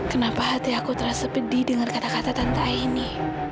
kenapa hati aku terasa pedih dengan kata kata tentang ini